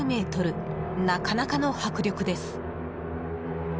なかなかの迫力です。